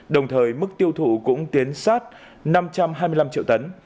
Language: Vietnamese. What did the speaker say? đồng thời mức tiêu thụ cũng tiến sát năm trăm hai mươi năm triệu tấn